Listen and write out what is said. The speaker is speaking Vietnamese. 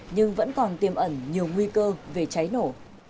nhưng vẫn còn tiêm ẩn nhiều nguy cơ về cháy nổ